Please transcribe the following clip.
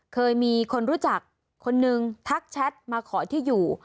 เคยมีคนรู้จักคนนึงทักแชทมาขอที่อยู่